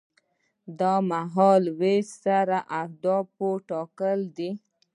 دا له مهال ویش سره د اهدافو ټاکل دي.